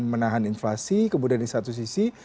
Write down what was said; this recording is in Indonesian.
menahan inflasi kemudian di satu sisi